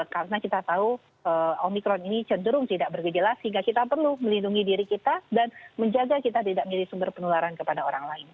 karena kita tahu omikron ini cenderung tidak bergejala sehingga kita perlu melindungi diri kita dan menjaga kita tidak milih sumber penularan kepada orang lain